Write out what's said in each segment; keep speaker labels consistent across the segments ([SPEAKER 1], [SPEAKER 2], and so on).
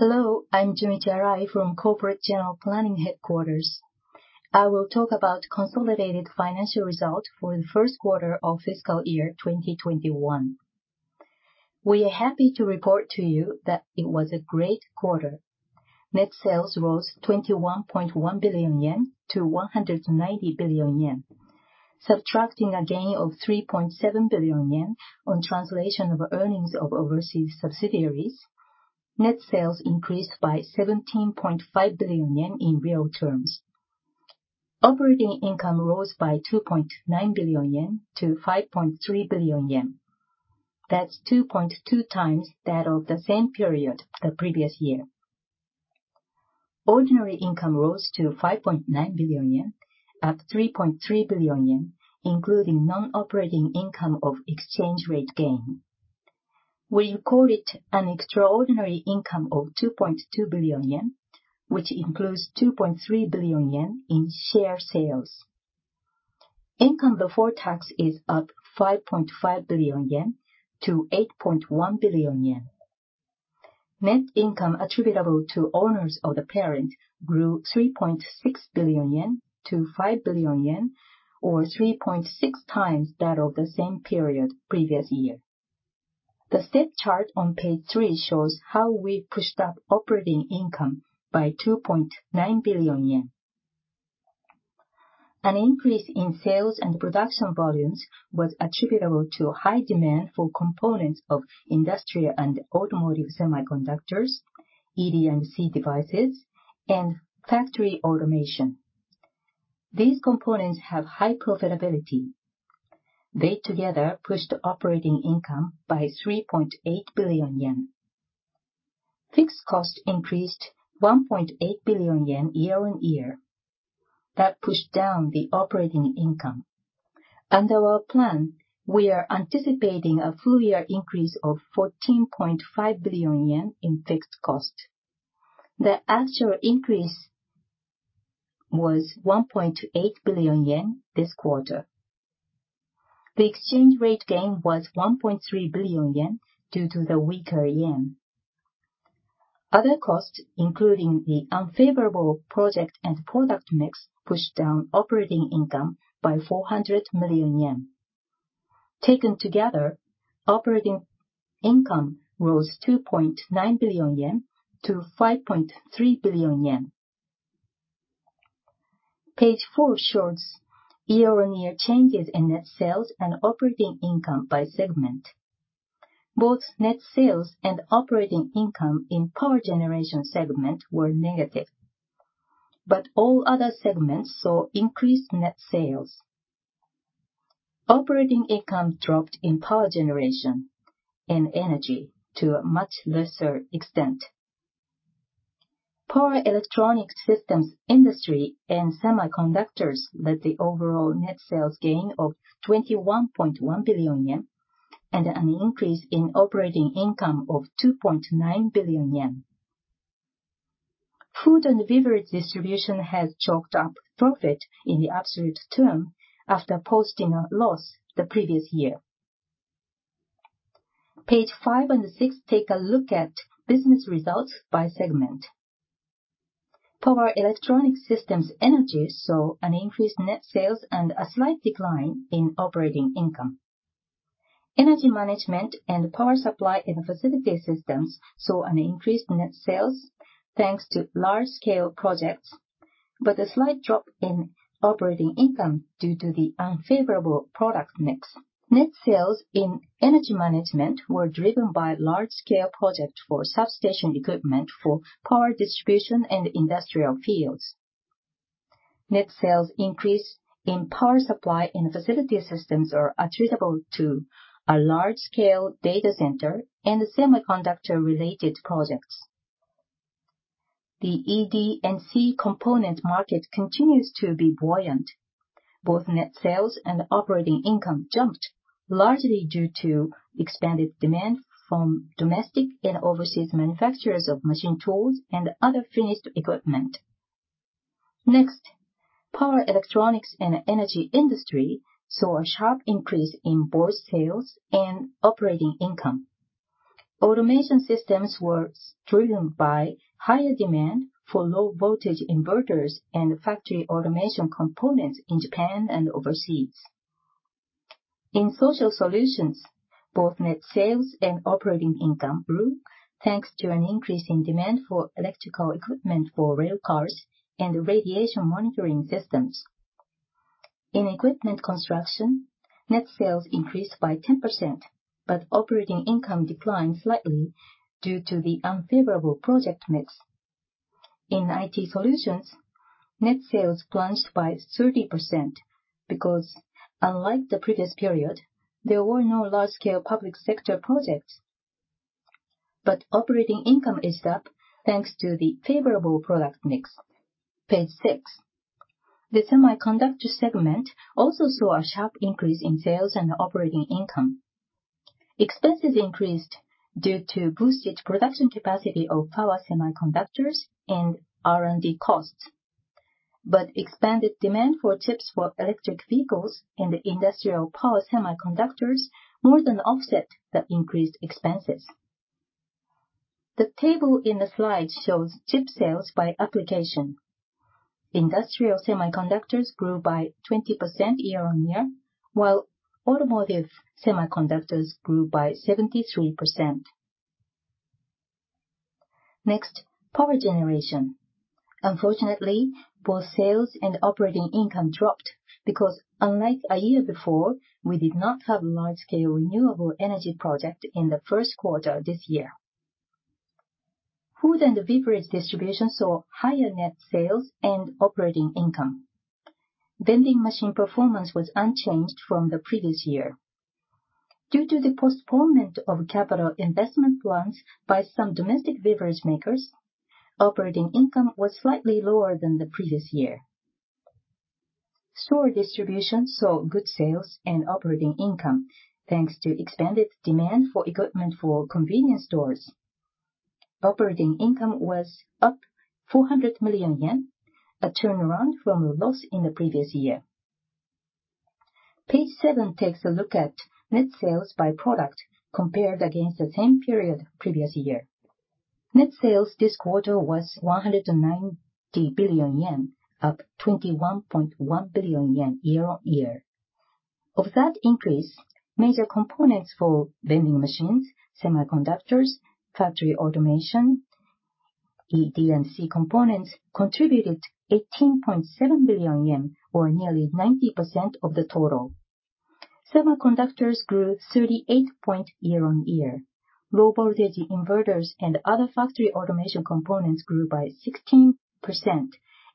[SPEAKER 1] Hello, I'm Junichi Arai from Corporate Management Planning Headquarters. I will talk about consolidated financial results for the first quarter of FY 2021. We are happy to report to you that it was a great quarter. Net sales rose 21.1 billion-190 billion yen. Subtracting a gain of 3.7 billion yen on the translation of earnings of overseas subsidiaries, net sales increased by 17.5 billion yen in real terms. Operating income rose by 2.9 billion-5.3 billion yen. That's 2.2 times that of the same period the previous year. Ordinary income rose to 5.9 billion yen, up 3.3 billion yen, including non-operating income from exchange rate gains. We recorded an extraordinary income of 2.2 billion yen, which includes 2.3 billion yen in share sales. Income before tax is up 5.5 billion-8.1 billion yen. Net income attributable to owners of the parent grew 3.6 billion-5 billion yen, or 3.6 times that of the same period the previous year. The step chart on page three shows how we pushed up operating income by 2.9 billion yen. An increase in sales and production volumes was attributable to high demand for components of industrial and automotive semiconductors, ED&C devices, and factory automation. These components have high profitability. They together pushed operating income by 3.8 billion yen. Fixed costs increased 1.8 billion yen year-on-year. That pushed down the operating income. Under our plan, we are anticipating a full-year increase of 14.5 billion yen in fixed costs. The actual increase was 1.8 billion yen this quarter. The exchange rate gain was 1.3 billion yen due to the weaker yen. Other costs, including the unfavorable project and product mix, pushed down operating income by 400 million yen. Taken together, operating income rose 2.9 billion-5.3 billion yen. Page four shows year-on-year changes in net sales and operating income by segment. Both net sales and operating income in Power Generation segment were negative. All other segments saw increased net sales. Operating income dropped in Power Generation and Energy to a much lesser extent. Power Electronics Systems, Energy, and Semiconductors led the overall net sales gain of 21.1 billion yen and an increase in operating income of 2.9 billion yen. Food and Beverage Distribution has chalked up profit in the absolute term after posting a loss the previous year. On pages five and six, take a look at business results by segment. Power Electronics Systems, Energy, saw an increased net sales and a slight decline in operating income. Energy Management and Power Supply and Facility Systems saw an increased net sales, thanks to large-scale projects, but a slight drop in operating income due to the unfavorable product mix. Net sales in Energy Management were driven by large-scale projects for substation equipment for power distribution and industrial fields. Net sales increase in Power Supply and Facility Systems are attributable to large-scale data center and semiconductor-related projects. The ED&C component market continues to be buoyant. Both net sales and operating income jumped, largely due to expanded demand from domestic and overseas manufacturers of machine tools and other finished equipment. Next, Power Electronics and Energy Industry, saw a sharp increase in both sales and operating income. Automation Systems were driven by higher demand for low-voltage inverters and factory automation components in Japan and overseas. In Social Solutions, both net sales and operating income grew thanks to an increase in demand for electrical equipment for railcars and radiation monitoring systems. In Equipment Construction, net sales increased by 10%, but operating income declined slightly due to the unfavorable project mix. In IT Solutions, net sales plunged by 30% because, unlike the previous period, there were no large-scale public sector projects. Operating income is up thanks to the favorable product mix. Page six. The Semiconductor segment also saw a sharp increase in sales and operating income. Expenses increased due to boosted production capacity of power semiconductors and R&D costs. Expanded demand for chips for electric vehicles and industrial power semiconductors more than offset the increased expenses. The table in the slide shows chip sales by application. Industrial semiconductors grew by 20% year-on-year, while automotive semiconductors grew by 73%. Next, Power Generation. Unfortunately, both sales and operating income dropped because, unlike a year before, we did not have a large-scale renewable energy project in the first quarter this year. Food and Beverage Distribution saw higher net sales and operating income. Vending machine performance was unchanged from the previous year. Due to the postponement of capital investment plans by some domestic beverage makers, operating income was slightly lower than the previous year. Store Distribution saw good sales and operating income, thanks to expanded demand for equipment for convenience stores. Operating income was up 400 million yen, a turnaround from a loss in the previous year. Page seven takes a look at net sales by product compared against the same period the previous year. Net sales this quarter were 190 billion yen, up 21.1 billion yen year-on-year. Of that increase, major components for vending machines, semiconductors, factory automation, and ED&C components contributed 18.7 billion yen, or nearly 90% of the total. Semiconductors grew 38% year-on-year. Low-voltage inverters and other factory automation components grew by 16%,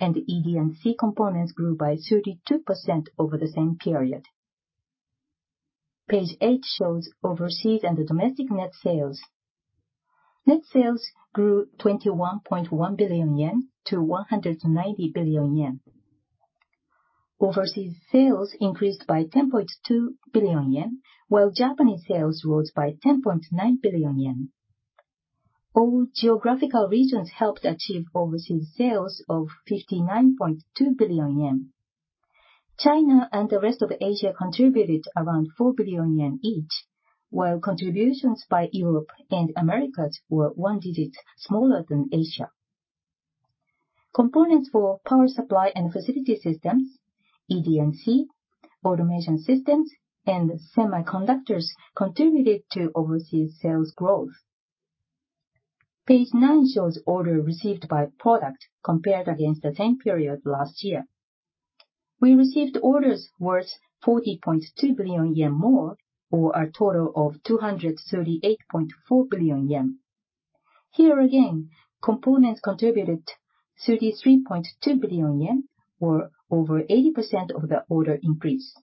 [SPEAKER 1] and ED&C components grew by 32% over the same period. Page eight shows overseas and domestic net sales. Net sales grew 21.1 billion-190 billion yen. Overseas sales increased by 10.2 billion yen, while Japanese sales rose by 10.9 billion yen. All geographical regions helped achieve overseas sales of 59.2 billion yen. China and the rest of Asia contributed around 4 billion yen each, while contributions by Europe and the Americas were one digit smaller than Asia's. Components for Power Supply and Facility Systems, ED&C, Automation Systems, and semiconductors contributed to overseas sales growth. Page nine shows orders received by product compared against the same period last year. We received orders worth 40.2 billion yen more, for a total of 238.4 billion yen. Here again, components contributed 33.2 billion yen, or over 80% of the order increase.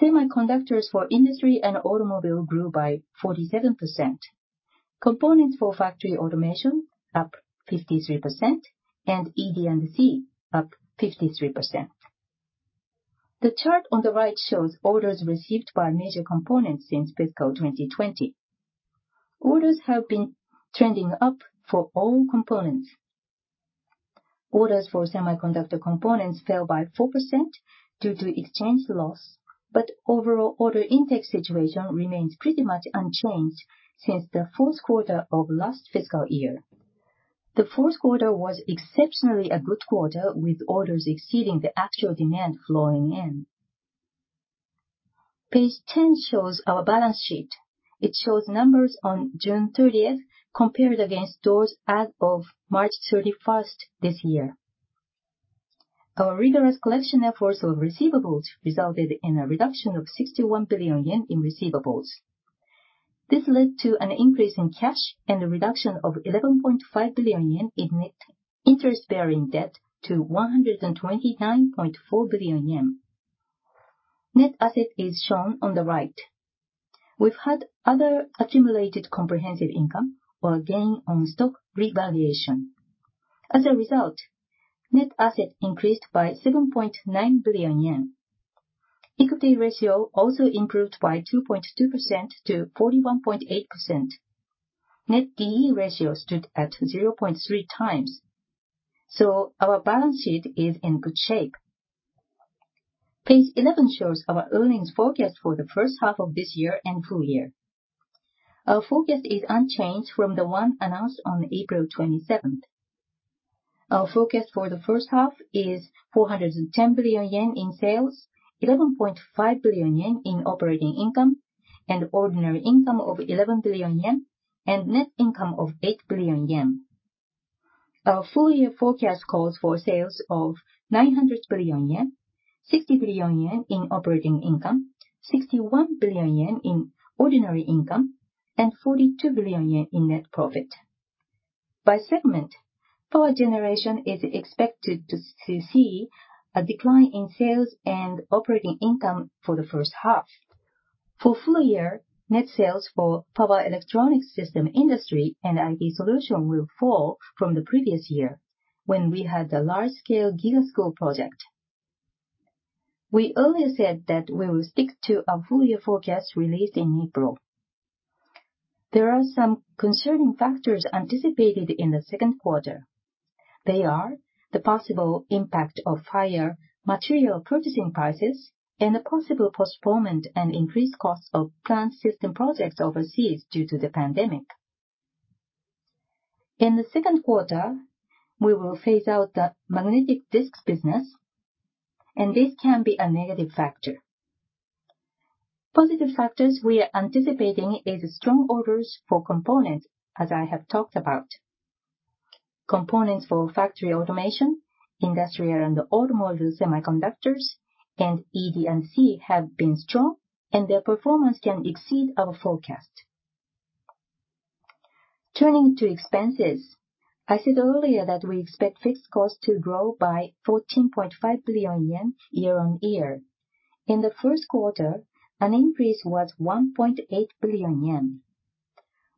[SPEAKER 1] Semiconductors for industry and automobiles grew by 47%. Components for factory automation are up 53%, and ED&C is up 53%. The chart on the right shows orders received by major components since fiscal 2020. Orders have been trending up for all components. Orders for semiconductor components fell by 4% due to exchange loss. Overall order intake situation remains pretty much unchanged since the fourth quarter of last fiscal year. The fourth quarter was exceptionally a good quarter, with orders exceeding the actual demand flowing in. Page 10 shows our balance sheet. It shows numbers on June 30th compared against those as of March 31st this year. Our rigorous collection efforts of receivables resulted in a reduction of 61 billion yen in receivables. This led to an increase in cash and a reduction of 11.5 billion yen in net interest-bearing debt to 129.4 billion yen. Net assets are shown on the right. We've had Other Accumulated Comprehensive Income or gain on stock revaluation. As a result, net assets increased by 7.9 billion yen. The equity ratio also improved by 2.2%-41.8%. Net D/E ratio stood at 0.3x. Our balance sheet is in good shape. Page 11 shows our earnings forecast for the first half of this year and the full year. Our forecast is unchanged from the one announced on April 27th. Our forecast for the first half is 410 billion yen in sales, 11.5 billion yen in operating income, ordinary income of 11 billion yen, and net income of 8 billion yen. Our full year forecast calls for sales of 900 billion yen, 60 billion yen in operating income, 61 billion yen in ordinary income, and 42 billion yen in net profit. By segment, Power Generation is expected to see a decline in sales and operating income for the first half. For the full year, net sales for the Power Electronics Systems Industry and IT Solutions will fall from the previous year when we had the large-scale GIGA School project. We earlier said that we will stick to our full year forecast released in April. There are some concerning factors anticipated in the second quarter. They are the possible impact of higher material purchasing prices and the possible postponement and increased costs of plant system projects overseas due to the pandemic. In the second quarter, we will phase out the magnetic disk business, and this can be a negative factor. Positive factors we are anticipating is strong orders for components, as I have talked about. Components for factory automation, industrial and automotive semiconductors, and ED&C have been strong, and their performance can exceed our forecast. Turning to expenses, I said earlier that we expect fixed costs to grow by 14.5 billion yen year-on-year. In the first quarter, an increase was 1.8 billion yen.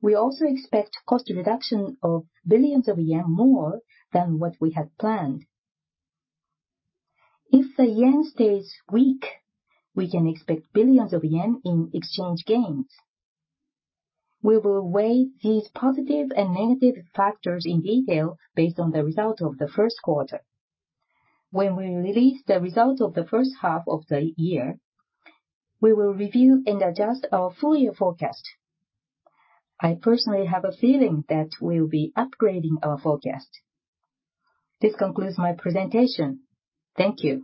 [SPEAKER 1] We also expect cost reduction of billions of yen more than what we had planned. If the yen stays weak, we can expect billions of yen in exchange gains. We will weigh these positive and negative factors in detail based on the result of the first quarter. When we release the result of the first half of the year, we will review and adjust our full year forecast. I personally have a feeling that we'll be upgrading our forecast. This concludes my presentation. Thank you.